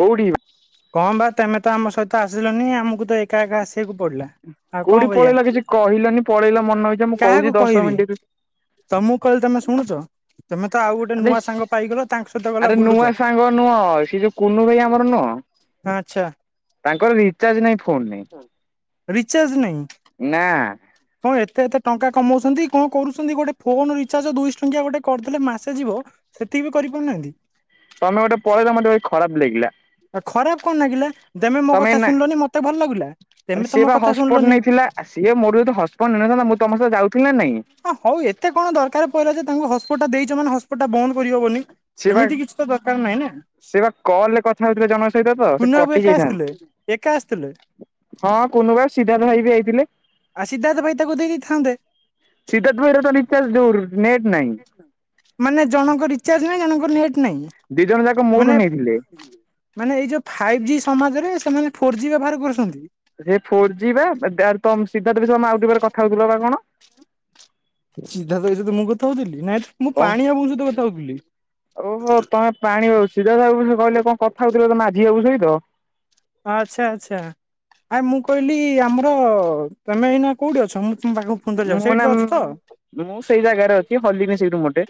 କୋଉଠି ଭା କଁ ବା ତେମେ ତ ଆମ ସହିତ ଆସିଲନି ଆମୁକୁ ତ ଏକା ଏକା ଆସିବାକୁ ପଡ଼ିଲା। ଆଉ କଁ କୋଉଠି କରିଆ ପଳେଇଲା କିଛି କହିଲନି ପଳେଇଲା ମନ ଇଚ୍ଛା ମୁଁ କହୁଛି କାହାକୁ ଦଶ କହିବି? ମିନିଟ୍ ତମୁକୁ କହିଲେ ତମେ ଶୁଣୁଚ? ତମେ ତ ଆଉ ଗୋଟେ ଆରେ ନୂଆ ସାଙ୍ଗ ପାଇଗଲ ତାଙ୍କ ସହିତ ଆରେ ଗଲା ନୂଆ ବୁଲୁଚ। ସାଙ୍ଗ ନୁହଁ ସେ ଯୋଉ କୁନୁ ଭାଇ ଆମର ନୁହଁ? ଆଚ୍ଛା। ତାଙ୍କର ରିଚାର୍ଜ ନାଇଁ ଫୋନ୍ ରେ। ରିଚାର୍ଜ ନାହିଁ? ନାଁ। କଁ ଏତେ ଏତେ ଟଙ୍କା କମଉଛନ୍ତି କଁ କରୁଛନ୍ତି ଗୋଟେ ଫୋନ୍ ରିଚାର୍ଜ ଦୁଇଶ ଟଙ୍କିଆ ଗୋଟେ କରିଦେଲେ ମାସେ ଯିବ। ସେତିକି ବି କରିପାରୁନାହାନ୍ତି। ତମେ ଗୋଟେ ପଳେଇଲ ମତେ ଭାଇ ଖରାପ ଲାଗିଲା। ଆଉ ଖରାପ କଣ ଲାଗିଲା ତେମେ ମୋ ତମେ କଥା ନା ଶୁଣିଲନି ମତେ ଭଲ ଲାଗିଲା ତେମେ ତ ମୋ କଥା ଶୁଣିଲନି। ଆ ସିଏ ମୋଠୁ ଯଦି ହସପ ନେଇନଥାନ୍ତା ମୁଁ ତମ ସହ ଯାଉଥିଲି ନା ନାଇଁ? ହଁ ହଉ ଏତେ କଣ ଦରକାର ପଇଲା ଯେ ତାଙ୍କୁ ହସପଟ୍ ଦେଇଚ ମାନେ ହସପଟ୍ ବନ୍ଦ କରିହବନି? ସିଏ ବା ଏମିତି କିଛି ତ ଦରକାର ନାହିଁ ନାଁ। ସେ ବା କଲ୍ ରେ କଥା ହଉଥୁଲେ ଜଣଙ୍କ ସହିତ ତ ସେ କୁନୁ ବାବୁ କଟି ଏକା ଯାଇଥାଁ ଆସିଥିଲେ ଏକା ଆସିଥିଲେ ହଁ କୁନୁ ଭାଇ ସିଦ୍ଧାର୍ଥ ଭାଇ ବି ଆଇଥିଲେ। ଆ ସିଦ୍ଧାର୍ଥ ଭାଇ ତାକୁ ଦେଇଦେଇଥାନ୍ତେ। ସିଦ୍ଧାର୍ଥ ଭାଇର ତ ରିଚାର୍ଜ ଯୋଉ ନେଟ୍ ନାହିଁ। ମାନେ ଜଣଙ୍କ ରିଚାର୍ଜ ନାଇଁ ଜଣଙ୍କ ନେଟ ନାଇଁ ଦି ଜଣ ଯାକ ମୋଠୁ ମାନେ ନେଇଥିଲେ ମାନେ ଏଇ ଯୋଉ ଫାଇଭ୍ ଜି ସମାଜରେ ସେମାନେ ଫୋର୍ ଜି ବ୍ୟବହାର କରୁଛନ୍ତି। ସେ ଫୋର୍ ଜି ବା ତ ସିଦ୍ଧାର୍ଥ ବିମ ଆଉ କଥା ହଉଥିଲ ବା କଣ। ସିଦ୍ଧାର୍ଥ ବିଷୟରେ ତ ମୁଁ କଥା ହଉଥିଲି ନାଇଁ ତ ମୁଁ କଣ? ପାଣି ବାବୁଙ୍କ ସହିତ କଥା ହଉଥିଲି। ଓହୋ ତମେ ପାଣି ବାବୁ ସିଦ୍ଧାର୍ଥ ବାବୁଙ୍କ ସେ କହିଲେ କଣ କଥା ହଉଥିଲ ତ ମାଝି ବାବୁ ସହିତ। ଆଚ୍ଛା ଆଚ୍ଛା। ଆ ମୁଁ କହିଲି ଆମର ତମେ ଏଇନା କୋଉଠି ଅଛ ମୁଁ [unintelligible] ମୁଁ ସେଇଠି ଏଇନା ତ ଅଛ ତ? ମୁଁ ସେଇ ଜାଗାରେ ଅଛି ହଲିିନି ସେଇଠୁ ମୋଟେ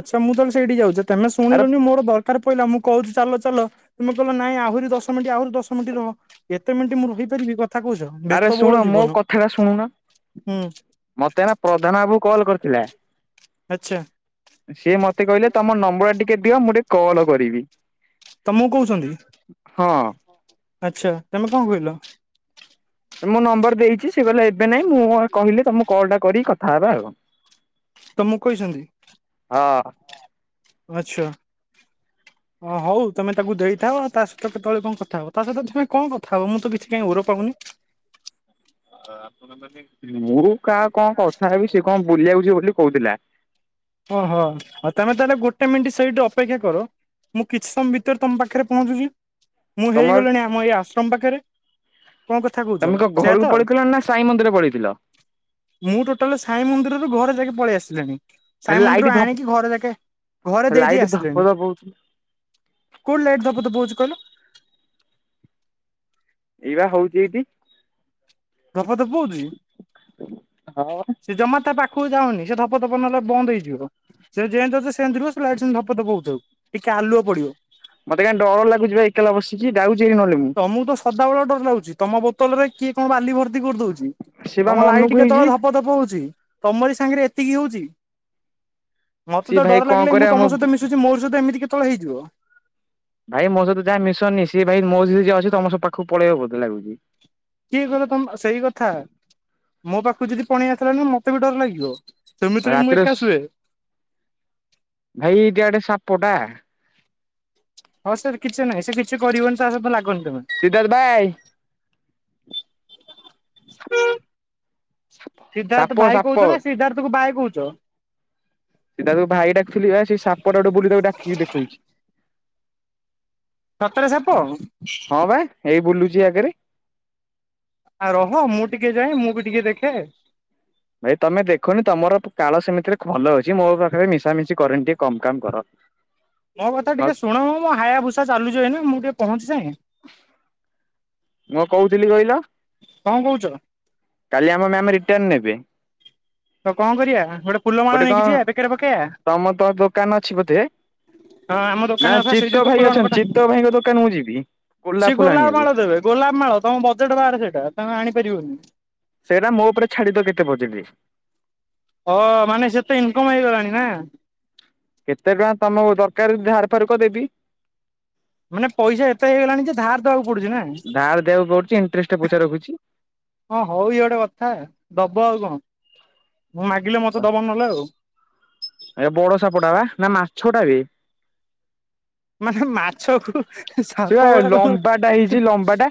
ଆଚ୍ଛା ମୁଁ ତାହେଲେ ସେଇଠି ଯାଉଛି ତମେ ଆରେ ଶୁଣିଲୁନି ମୋର ଦରକାର ପଇଲା ମୁଁ କହୁଛି ଚାଲ ଚାଲ। ତୁମେ କହିଲ ନାଇଁ ଆହୁରି ଦଶ ମିନିଟ ଆହୁରି ଦଶ ମିନିଟ ରହ ଏତେ ମିନିଟ ମୁଁ ରହିପାରିବି କଥା କହୁଛ। ଆରେ ବ୍ୟସ୍ତବହୁଳ ଶୁଣ ମୋ ଜୀବନ କଥାଟା ଶୁଣୁନ ହୁଁ। ମତେ ଏଇନା ପ୍ରଧାନ ବାବୁ କଲ୍ କରିଥିଲେ। ଆଚ୍ଛା ସିଏ ମତେ କହିଲେ ତମ ନମ୍ବର ଟା ଟିକେ ଦିଅ ମୁଁ ଟିକେ କଲ କରିବି। ତମକୁ କହୁଛନ୍ତି ହଁ। ଆଚ୍ଛା ତମେ କଣ କହିଲ। ମୁଁ ନମ୍ବର ଦେଇଛି ସେ କହିଲେ ସେ ଏବେ ନାଇଁ ମୁଁ କହିଲେ ତମକୁ କଲ୍ ଟା କରି କଥା ହେବା ଆଉ। ତମକୁ କହିଛନ୍ତି। ହଁ। ଆଚ୍ଛା। [inaudible] ହ ହଉ ତମେ ତାକୁ ଦେଇଥାଅ ଆଉ ତା ସହିତ କେତବେଳେ କଣ କଥା ହବ ତା ସହିତ ତମେ କଣ କଥାବ ମୁଁ ତ କିଛି କାଇହିଁ ଓର ପାଉନି। ଆପଣ ମୁଁ କାହା କଣ କଥା ହେବି ସେ କଣ ବୁଲି ଯାଉଛି ବୋଲି କହୁଥିଲା। ଓହୋ ତମେ ତାହେଲେ ଗୋଟେ ମିନିଟ୍ ସେଇଠି ଅପେକ୍ଷା କର। ମୁଁ କିଛି ସମୟ ଭିତରେ ତମ ପାଖରେ ପହଞ୍ଚୁଛି ମୁଁ ତମର ହେଇଗଲିଣି ଆମ ଏଇ ଆଶ୍ରମ ପାଖରେ। କଣ କଥା କୁ ତମେ କଣ ଘରକୁ ପଳେଇଥିଲ ନା ସାଇ ମନ୍ଦିର ପଳେଇଥିଲ? ମୁଁ ଟୋଟାଲ ସାଇ ମନ୍ଦିରରୁ ଘରେ ଯାଙ୍କେ ପଳେଇ ଆସିଲିଣି। ସାଇ ହେଲେ ମନ୍ଦିର ଲାଇଟ୍ ରୁ ଧପ ଆଣିକି ଘରେ ଯାକେ ଘରେ ଦେଇଦେଇ ଲାଇଟ୍ ଧପ ଆସିଲେଣି। ଧପ ହଉଛି କୋଣ ଲାଇଟ ଧପ, ଧପ ହଉଛି [unintelligible] ଏଇ ବା ହଉଛି ଏଇଠି। ଧପ ଧପ ହଉଛି ହଁ। ସେ ଜମା ତା ପାଖକୁ ଯାଉନି ସେ ଧପ ଧପ ନହେଲେ ବନ୍ଦ ହେଇ [unintelligible] ସେ ଯେମତି ଅଛି ସେମିତିି ରୁହ ସେ ଲାଇଟ୍ ସେମିତି ହେଉଥାଉ, ଟିକେ ଆଲୁଅ ପଡିବ। ମତେ କାଇଁ ଡର ଲାଗୁଛି ଏକଲା ବସିକି ଜାଉଛିି ନହେଲେ ମୁଁ ତମକୁ ତ ସଦାବେଳେ ଡର ଲାଗୁଛି ତମ ବୋତ ରେ କିଏ କଣ ବାଲି ଭର୍ତ୍ତି କରିଦଉ ସେ ବା ତମ ମନକୁ ଲାଇଟ କେତେ ହେଇଛି। ବେଳେ ଧପ, ଧପ ହଉ ତମରି ସାଙ୍ଗରେ ଏତିକି ହଉଛି ମତେ ସିଏ ତ ଭାଇ ଡର କଣ ଲାଗିଲେ ମୁଁ କରିବା ମୋ ତମ ସହିତ ମିଶୁଛି ମୋ ମୋ ସହିତ ଏମିତି କେତେ ବେଳେ ହେଇଯିବ। ଭାଇ ମୋ ସହିତ ଯାହା ମିଶନି ସଏ ଭାଇ ମୋ ସହିତ ଯିଏ ଅଛି ତମ ସ ପାଖକୁ ପଳେଇବା ବୋ ଲାଗୁଛି। କିଏ କହିଲ ତମ ସେଇ କଥା ମୋ ପାଖକୁ ଯଦି ପଲେଇ ଆସଥିଲା ନା ମତେ ବି ଡର ଲାଗିବ। ସେମିତିରେ ବି ମୁଁ ରାତିରେ ଏକା ସୋ ଶୁଏ। ଭାଇ ଏ ଦିଆଡେ ସାପ ଟା। ହଁ, ସାର୍ କିଛି ନାହିଁ ସେ କିଛି କରିବନି ସବୁ ଲାଗନି ତମେ ସିଦ୍ଧାର୍ଥ ଭାଇ। ସିଦ୍ଧାର୍ଥ ସାପ ଭାଇ ସାପ କହୁଛ ନା ସିଦ୍ଧାର୍ଥ କ ବାଏ କହୁଛ? ସେ ତାକୁ ଭାଇ ଡାକୁୁଥିଲି ବା ସେ ସାପ ଟାକୁ ତାକୁ ଡାକିକି ଦେଖଉଛି। ସତରେ ସାପ? ହଁ ବା ଏଇ ବୁଲୁଛିି ଆଗରେ। ଆ ରହ ମୁଁ ଟିକେ ଯାଏ ମୁଁ ବି ଟିକେ ଦେଖେ। ଭାଇ ତମେ ଦେଖନି ତମର କାଳ ସେମିତିରେ ଭଲ ଅଛି ମୋ ପାଖରେ ମିଶା ମିଶି ରରେନି ଟିକେ କମ କାମ କର। [unintelligible] ମୋ କଥା ଟିକେ ଶୁଣ ମ ମୁଁ ହାୟା ଭୁସା ଚାଲୁଛି ଏନା ମୁଁ ଟିକେ ପହଞ୍ଛି ଯାଏ। ମୁଁ କହୁଥିଲି କହିଲ କାଲି ଆମ ମାମ ରିର୍ଟାଡ ନେବେ। ତ କଣ କରିବା ଫୁଲମାଳ ଗୋଟେ ନେଇକି କଣ ଯିବା ବେକରେ ପକେଇବା ତମର ତ ଦୋକାନ ଅଛି ବୋଧେ। ହଁ ଆମ ଦୋକାନ ନା କଥା ସେଇ ଯୋଉ ଚିତ୍ତ ତ ଭାଇ ଫୁଲମାଳ ଅଛନ୍ତି କଥା ଚିତ୍ତ ଭାଇଙ୍କ ଦୋକାନ ମୁଁ ଯିବି ସିଏ ଗୋଲାପ ଫୁଲ ଆଣିବାକୁ। ମାଳ ଦେବେ ଗୋଲାପ ମାଳ ତମ ବଜେଟ୍ ବାହାରେ ସେଇଟା ତମେ ଆଣି ପାରିବନି। ସେଇଟା ମୋ ଉପରେ ଛାଡି ଦିଅ କେତେ ବଜେଟ୍। ହଁ ମାନେ ସେତେ ଇନକମ୍ ହେଇଗଲାଣି ନା। କେତେ ଟଙ୍କା ତମକୁ ଦରକାର ଧାର ଫାର୍ କୁହ ଦେବି। ମାନେ ପଇସା ଏତେ ହେଇ ଗଲାଣି ଯେ ଧାର ଦେବାକୁ ପଡୁଛି ନା। ଧାର ଦେବାକୁ ପଡୁଛି ଇଣ୍ଟରେଷ୍ଟ ପଇସା ରଖୁଛି। ହଁ ହଉ ଇଏ ଗୋଟେ କଥା ଦବ ଆଉ କଣ ମୁଁ ମାଗିଲେ ମତେ ଦବ ନହେଲେ ଆଉ। ଏ ବଡ ସାପଟା ବା ନା ମାଛ ଟା ବେ। ମାନେ ମାଛକୁ ସେ ବା ସାପ ବୋଲି ଲମ୍ବାଟା ହେଇଛି ତମକୁ ଲମ୍ବାଟା।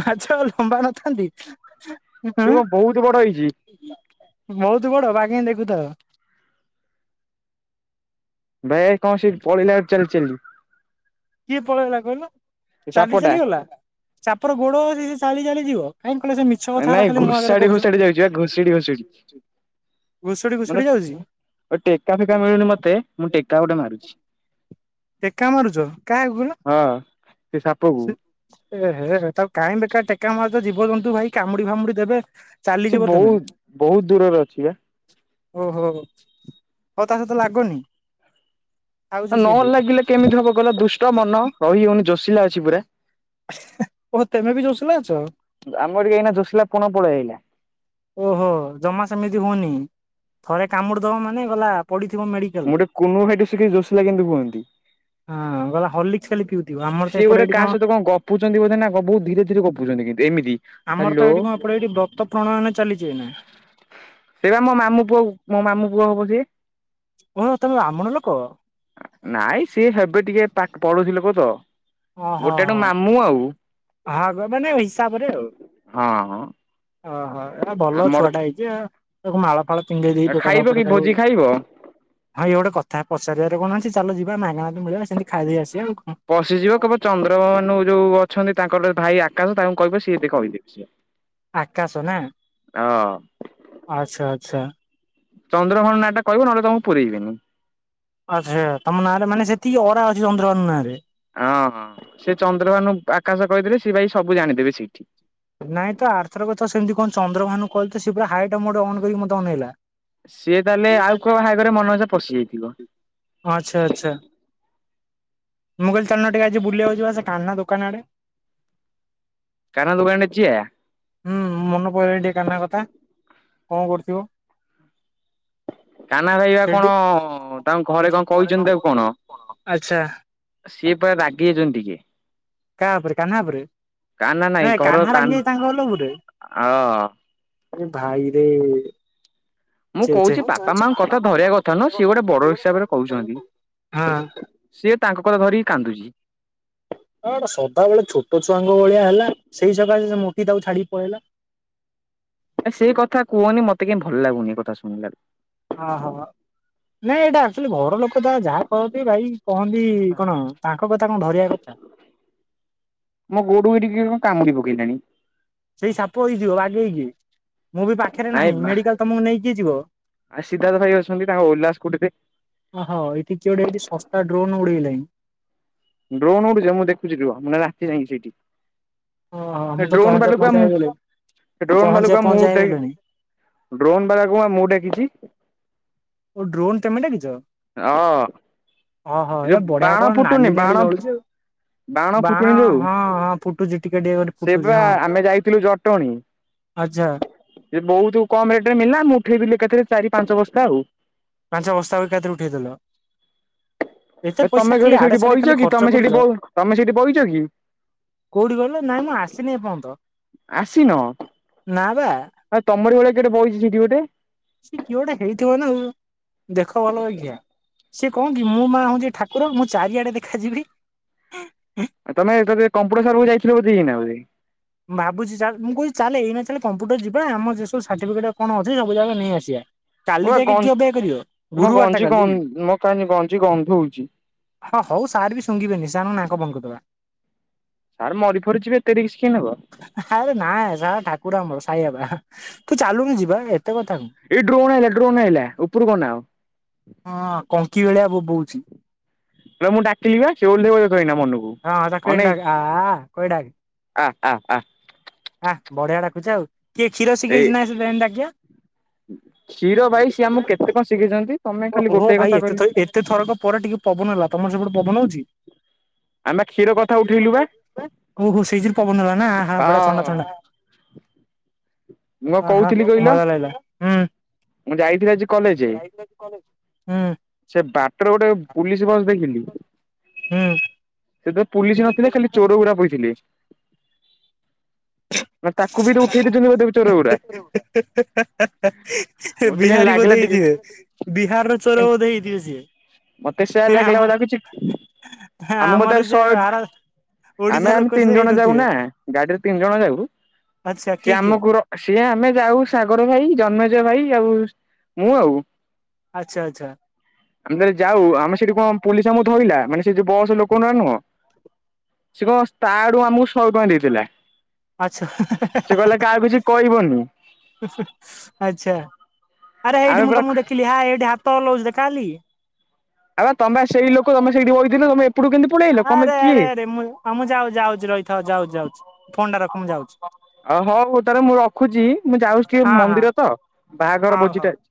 ମାଛ ଲମ୍ବା ନଥାନ୍ତି। ସେ କଣ ବହୁତ ହୁଁ ବଡ ହେଇଛି ବହୁତ ବଡ ବାଗେଇ ଦେଖୁଥାଅ। ଭାଇ ଆଇ କଣ ସେ ପଳେଇଲା ଚାଲି ଚାଲି। କିଏ ପଳେଇଗଲା କହିଲ ଚାଲି ସାପଟା। ଚାଲି ଗଲା। ସାପର ଗୋଡ ଅଛି ସେ ଚାଲି ଚାଲି ଯିବ କାଇଁ କଲେ ସେ ମି ନାଇଁ ଘୋଷାଡି ଘୋଷାଡି ଯାଉଛି ବା ଘୁଷଡି ଘୁଷଡି ଘୁଷୁଡି ମାନେ ଘୁଷୁଡି ଯାଉଛି। ଟେକା ଫେକା ମିଳୁନି ମତେ ମୁଁ ଟେକା ଗୋଟେ ମାରୁଛି। ଟେକା ମାରୁଚ କାଇଁ ଗୁଲ। ହଁ ସେ ସାପକୁ। ଏ ହେ ତାକୁ କାହିଁ ବେକାର୍ ରେ ଟେକା ମାରୁଚ ଜୀବଜନ୍ତୁ ଭାଇ କାମୁଡ଼ି ଫାମୁଡ଼ି ଦେବେ। ସେ ଚାଲିଯିବ ତମେ ବୌଦ୍ଧ ବହୁତ୍ ଦୂରରେ ଅଛି ବା। ଅହୋ ହଉ ତା ସହିତ ଲାଗନି। ଥାଉଛି ନ ସେଇଠି ଲାଗିଲେ କେମିତି ହବ କହିଲ ଦୁଷ୍ଟ ମନ ରହି ହଉନି ଜୋଷିଲା ଅଛି ପୁରା। ଓ ତମେ ବି ଜୋଷିଲ ଅଛ। ଆମର ଏଇନା ଜୋଷିଲା ପଣ ପଳେଇ ଆଇଲା। ଅହୋ ଜମା ସେମିତି ହୁଉନି ଥରେ କାମୁଡ଼ି ଦବ ମାନେ ଗଲା ପଡ଼ିଥିବ ମେଡ଼ି ମୁଁ ଟିକେ କୁନୁ ଭାଇଟୁ ସିକିଚି ଜୋଷିଲା କିମିତି କୁଅନ୍ତି। ହଁ ଗଲା ହଲକ୍ସି ଖାଲି ପିଉଥିବ ଆମର ତ ସିଏ ଏପଟେ ଗୋଟେ ଏଇଠି କାହା କଣ ସହିତ ଗପୁଛନ୍ତି ବୋଧେ ନା କଣ ବହୁତ୍ ଧୀରେ ଧୀରେ ଗଫୁଚନ୍ତି କେତି ଏମିତି। ଆମର ତ ହ୍ୟାଲୋ ଏଇଠି କଣ ଏପଟେ ଏଇଠି ବ୍ରତ ପ୍ରଣାୟନ ଚାଲିଛି ଏଇନା। ସେଇଟା ମୋ ମାମୁଁ ପୁଅ କୁ ମୋ ମାମୁଁ ପୁଅ କହୁଛି। ଓ ତମେ ବ୍ରାହ୍ମଣ ଲୋକ। ନାଇଁ ସିଏ ହେବେ ଟିକେ ପା ପଢୁଛି ଲୋକ ତ। ଗୋଟେ ତ ମାମୁଁ ଆଉ। ଆ ହବ ମାନେ ହିସାବରେ ଆଉ ହଁ ହଁ ଓହୋ ଏଟା ଭଲ ଆମର ଛୁଆଟା ହେଇ ଚି ଆଉ ତାକୁ ମାଳ ଫାଳ ପିନ୍ଦେଇ ଦେଇ ଟୋଟାଲ ଖାଇବ କି ଉପରେ ତାକୁ ଭୋଜି ଖାଇବ? ହଁ ଇଏ ଗୋଟେ କଥା ପଚାରିବାରେ କଣ ଅଛି ଚାଲ ଯିବା ମାଗଣା ବି ମିଳିବା ସେମିତି ଖାଇଦେଇ ଆସିବା ଆଉ କଣ। ପଶିଯିବ କହିବ ଚନ୍ଦ୍ରଭାନୁ ଯୋଉ ଅଛନ୍ତି ତାଙ୍କର ଭାଇ ଆକାଶ ତାଙ୍କୁ କହିବ ସିଏ ବି କହିଚି। ଇଆ। ଆକାଶ ନା, ଆଛା ଆଛା। ଚନ୍ଦ୍ରଭଣ ନାଟା କହିବ ନହେଲେ ତମକୁ ପୁରେଇବିନି। ଆଛା, ତମ ନା ଟା ମାନେ ସେତିକି, ଅରା ଅଛି ଚନ୍ଦ୍ରଭାନୁ ନାରେ। ଅଁ ହଁ, ସେ ଚନ୍ଦ୍ରଭାନୁ, ଆକାଶ କହିଦେଲେ ସେ ଭାଇ ସବୁ ଜାଣିଦେବେ ସେଇଠି। ନାଇଁ ତ, ଆରଥରକ ତ ସେମିତି କଣ ଚନ୍ଦ୍ରଭାନୁ କହିଲି ତ, ସିଏ ପୁରା ହାଇଟ ମୋଡ଼ ଅନ୍ କରିକି ମୋତେ ଅନେଇଲା। ସିଏ ତାହଲେ ଆଉ କୋବାହାଘରେ ମନ ଇଛା ପଶିଯାଇଥିବ? ଆଛା, ଆଛା। ମୁଁ କହିଲି ଚାଲୁନ ଟିକେ ଆଜି ବୁଲିବାକୁ ଯିବା, ସେ କାହ୍ନା ଦୋକାନ ଆଡ଼େ। କାହ୍ନା ଦୋକାନ୍‌ ରେ ଯିଆ? ହୁଁ, ମନେ ପଇଲାଣି ଟିକେ କାହ୍ନା କଥା, କଣ କରୁଥିବ? କାହ୍ନା ଭାଇପା ସେଠି? କଣ, ତାଙ୍କୁ ଘରେ ଆଚ୍ଛା କଣ କାହା କହିଚନ୍ତି ତାକୁ କଣ? ସିଏ ପୁରା ରାଗି ଯାଇଚନ୍ତି ଟିକେ। କା ଉପରେ କାହ୍ନା ଉପରେ, କାହ୍ନା ନାଇଁ ନାଇ ଘର କାହ୍ନା କାହ୍ନ ରାଗିଯାଇଚି ତାଙ୍କ ଘର ଲୋକ ଉପରେ। ହଁ ଏ ଭାଇରେ ମୁଁ ଛେ ଛେ କହୁଛି ହଁ। ବାପା ଗୋଟେ ମାଙ୍କ କଥା ଧରିବା କଥା ନୁହଁ, ସିଏ ଗୋଟେ ବଡ ହିସାବରେ କହୁଚନ୍ତି। ସିଏ ତାଙ୍କ କଥା ଧରିକି କାନ୍ଦୁଚି। ହଁ, ତ ସଦା ବେଳେ ଛୋଟ ଛୁଆଙ୍କ ଭଳିଆ ହେଲା, ସେଇ ସକାଶେ ସେ ମୋଟି ତାକୁ ଛାଡ଼ିକି ପଳେଇଲା। ନା, ସେ କଥା କୁହନି, ମତେ କାହିଁ ଭଲ ଲାଗୁନି ଏ କଥା ଶୁଣିଲାରୁ। ଅହୋ, ନାଇଁ ଏଇଟା ଆକ୍ଚୁଆଲି ଘର ଲୋକ ତାର ଯାହା କହନ୍ତି ଭାଇ କହନ୍ତି କଣ, ତାଙ୍କ କଥା କଣ ଧରିବା କଥା? ମୋ ଗୋଡ଼କୁ ଏଠି କିଏ କଣ କାମୁଡ଼ି ପକେଇଲାଣି। ସେଇ ସାପ ହେଇଥିବ, ବାଗେଇକି। ମୁଁ ବି ପାଖରେ ନାଇଁ ନାହିଁ, ବା ମେଡିକାଲ୍‌ ତମକୁ ନେଇକି କିଏ ଯିବ? ଆ ସିଦ୍ଧାର୍ଥ ଭାଇ ଅଛନ୍ତି ତାଙ୍କ ଓଲା ସ୍କୁଟିରେ ଅହୋ, ଏଠି କିଏ ଗୋଟେ ଏଠି ଶସ୍ତା ଡ୍ରୋନ୍ ଉଡେଇଲେଣି। ଡ୍ରୋନ୍ ଉଡୁଚି, ମୁଁ ଦେଖୁଛି ରୁହ, ମୁଁ ରାତି ଯାଇକି ସେଇଠି। ଓହୋ ସେ ମୁଁ ତ ଡ୍ରୋନ୍ ପହଞ୍ଚା ବାଲୁକା, ପହଞ୍ଚା ମୁଁ ହେଇଗଲିଣି। ଡ୍ରୋନ୍ ପହଞ୍ଚିବା ବାଲୁକା ମୁଁ ପହଞ୍ଚା ଟେଇ ହେଇଗଲେଣି ଡ୍ରୋନ୍ ବାଲା କୁ ପା ମୁଁ ଡାକିଚି। ଓ, ଡ୍ରୋନ୍ ତମେ ଡାକିଚ? ହଁ। ଅ ହ, ଏ ଏୟା ଯୋଉ ବଢିଆ ବାଣ କଣ ଫୁଟୁନି ନାଲି ନେଳି ବାଣ ଜଳୁଚି ଆଉ। ବାଣ ଫୁଟୁନି ଯୋଉ ହଁ ହଁ, ଫୁଟୁଚି, ଟିକେ ଟିକେ କରି ସେ ଫୁଟୁଚି, ବା ହଁ। ଆମେ ଯାଇଥିଲୁ ଆଛା। ସିଏ ବହୁତ କମ୍ ରେଟରେ ମିଲିଲା, ମୁଁ ଉଠାଇଦେଲିି ଏକାଥରେ ଚାରି ପାଞ୍ଚ ବସ୍ତା ଆଉ। ପାଞ୍ଚ ବସ୍ତା ବି ଏକାଥରେ ଉଠେଇଦେଲ। ଏତେ ବେ ପଇସା ତମେ କୋଉଠି ଖାଲି ଆଡେ ସେଇଠି ସାଡେ ବଇଚ ଖାଲି କି ତମେ ଖର୍ଚ୍ଚ ସେଇଠି ବ କରୁଚ। ତମେ ସେଇଠି ବଇଚ କି? କୋଉଠି ରହିଲ, ନାଇଁ ମୁଁ ଆସିନି ଏପର୍ଯ୍ୟନ୍ତ, ଆସିନ ନା ବା ଆଉ ତମର ଭଳିଆ କିଏ ବହିଚି ସେଠି ଗୋଟେ ସିଏ କିଏ ଗୋଟେ ହେଇଥିବନା, ଦେଖ ଭଲ ବାଗିଆ। ସିଏ କଣ କି, ମୁଁ ମାଆ ହଉଚି ଠାକୁର, ମୁଁ ଚାରିଆଡେ ଦେଖାଯିବି। ତମେ ତେବେ କମ୍ପ୍ୟୁଟର ସାରକୁ ଯାଇଥିଲ ବୋଧେ ଏଇନା ଏବେ। ମୁ ଭାବୁଚି ଚାଲ, ମୁଁ କହୁଛି ଚାଲେ ଏଇନାଁ ଚାଲେ କମ୍ପୁଟର ଯିବା, ଆମ ସେ ସବୁ ସାର୍ଟିଫିକଟ କଣ ଅଛି, ସବୁ ଯାକ ନେଇ ଆସିବା। ମୋ କାଲି ବା ଗ ଯାଇକି କିଏ ଅପେକ୍ଷା କରିବ, ମୋ ଗୁରୁବାରଟା ଗଞ୍ଜି ଗ କାଲି। ମୋ କାନି ଗଞ୍ଜି ଗନ୍ଧଉଛି ହଁ ହଉ, ସାର୍ ବି ଶୁଙ୍ଘିବେନି, ସାରଙ୍କ ନାକ ବନ୍ଦ କରିଦବା। ସାର୍ ମରି ଫରି ଯିବେ, ଏତେ ରିସ୍କ୍ କିଏ ନବ? ଆରେ ନାଁ ସାର ଠାକୁର ଆମର, ସାଇବାବା, ତୁ ଚାଲୁନୁ ଯିବା, ଏତେ କଥା କଣ? ଏଇ ଡ୍ରୋନ ଆଇଲା, ଡ୍ରୋନ ଆଇଲା, ଉପରକୁ ଅନାଅ। ହଁ କଙ୍କି ଭଳିଆ ବୋବଉଛି। ତମକୁ ଡାକିଲି ବା ସେ ଓଲେହିବ ଦେଖ ନା ମନକୁ। ହଁ ତାକୁ ଏମିତି ଅନେଇ ଡାକେ ଆ କହ ଡାକେ। ଆ ଆ ଆ। ଆ ବଢିଆ ଡାକୁଚ ଆଉ କିଏ କ୍ଷୀର ଏଇ ଶିଖେଇଛି ନାଁ ସେମିତି ଡାକିବା। କ୍ଷୀର ଭାଇ ସିଏ ଆମ କେତେ କଣ ଶିଖେଇଛନ୍ତି ତମେ ଖାଲି ଓହୋ ଗୋଟେ ଭାଇ କଥା ଏତେ କହିଲେ। ଥର ଏତେ ଥରକ ପରେ ଟିକେ ପବନ ହେଲା ତମର ସେପଟେ ପବନ ହଉଛି। ଆମେ କ୍ଷୀର କଥା ଉଠେଇଲୁ ବା ଓହୋ ସେଇର ପବନହେଲା ନା ହ। ଅ ମୁଁ କଣ ହଁ କହୁଥିଲି ହଁ କହିଲ ମଜା ଲାଗିଲା। ହୁଁ। ମୁଁ ଯାଇଥିଲି ଆଜି କଲେଜ ହୁଁ ସେ ବାଟରେ ଗୋଟେ ପୁଲିସ ବସ ଦେଖିଲି। ହୁଁ। ସେଥିରେ ପୁଲିସ ନଥିଲେ ଖାଲି ଚୋର ଗୁଡା ବଇଥିଲେ। ନା ତାକୁ ବି ତ ଉଠେଇ ଦେଇଛନ୍ତି ବୋଧେ ଚୋର ପୁରା। [inaudible] ମୋତେ କାହିଁ ବିହାରୀ ଲାଗିଲା ବୋଧେ ହେଇଥିବେ ଟିକେ ବିହାରର ଚୋର ବୋଧେ ହେଇଥିବେ ସିଏ। ମତେ ସେୟା ହେଁ ଆମ ଲାଗିଲାଖୁଛି ଆମ ଆମର ମତେରେ ଯେ ଶହେ। ଆର ଓଡିଶା ଆମେ ଆମେ ଲୋକ ତିନି ସେ ଜଣ ହେଇନଥିବେ ଯାଉନା। ଗାଡିରେ ତିନି ଜଣ ଯାଉ ଆଚ୍ଛା ସିଏ କିଏ କିଏ ଆମକୁ ସିଏ ଆମେ ଯାଉ ସାଗର ଭାଇ ଜନ୍ମେ ଜୟ ଭାଇ ଆଉ ମୁଁ ଆଉ ଆଚ୍ଛା ଆଚ୍ଛା ଆମେ ଯାଉ ଆମେ ସେଠି କଣ ପୋଲିସ ଆମକୁ ଧଇଲା ମାନେ ସେ ବୟସ ଲୋକଗୁଡା ନୁହଁ ସେ କଣ ତା ଆଡୁ ଆମକୁ ଶହେ ଟଙ୍କା ଦେଇଥିଲା। ଆଚ୍ଛା ସେ କହିଲା କାହାକୁ କିଛି କହିବନି। ଆଚ୍ଛା ଆରେ ଆମେ ଏଇଠି ମୁଁ ପୁରା ତମକୁ ଦେଖିଲି ହ ଏଇଠି ହାତ। ତଟେ ଅନାଉଚି ଦେଖା ଯାଉନି କି? ଆ ତମେ ସେଇ ଲୋକ ତମେ ସେଇଠି ବଇଥିଲେ ତମେ ଏପଟୁ କିନ୍ତୁ ଆରେ ଆରେ ଆରେ ମୁଁ ମୁଁ ଯାଉ ଯାଉଛି ରହିଥାଉ ଯାଉଛି ଯାଉଛି ଫୋନ୍ଟା ରଖ ମୁଁ ଯାଉଛି। ଅ ହଉ ତାରଲେ ମୁଁ ରଖୁଛି ମୁଁ ଯାଉଛି ଟିକେ ହଁ ହଁ ମନ୍ଦିର ତ ବାହାଘର ହଉ ହଉ। ଭୋଜିଟା ଅଛି।